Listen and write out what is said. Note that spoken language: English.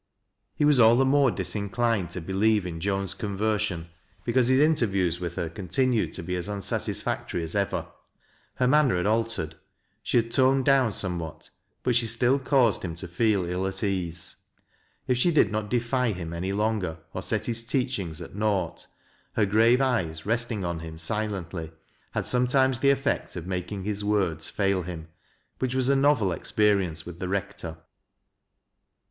He was all the more disinclined to believe in Joan's conversion because his interviews with her continued to be as unsatisfactory as ever. Her manner had altered ; she had toned down somewhat, but she still caused him to feel ill at ease. If she did not defy him any longer or set liis teachings at naught, her grave eyes, resting on him silently, had sometimes the effect of making his words fail him ; which was a novel experience with the rector.